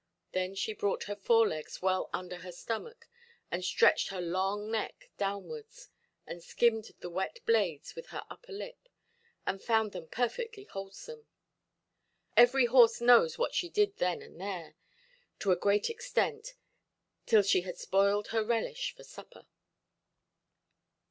Then she brought her forelegs well under her stomach, and stretched her long neck downwards, and skimmed the wet blades with her upper lip, and found them perfectly wholesome. Every horse knows what she did then and there, to a great extent, till she had spoiled her relish for supper.